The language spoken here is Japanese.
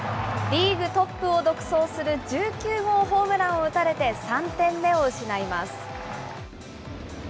リーグトップを独走する１９号ホームランを打たれて３点目を失います。